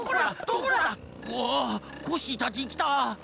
わあコッシーたちきた！